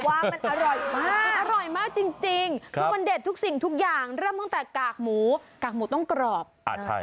ว่ามันอร่อยมากอร่อยมากจริงคือมันเด็ดทุกสิ่งทุกอย่างเริ่มตั้งแต่กากหมูกากหมูต้องกรอบ